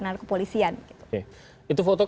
nah ini saya kira menjadi penting